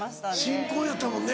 新婚やったもんね。